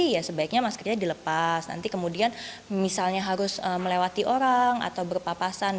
ya sebaiknya maskernya dilepas nanti kemudian misalnya harus melewati orang atau berpapasan